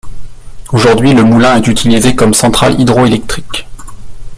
Aujourd'hui le moulin est utilisé comme centrale hydroélectrique.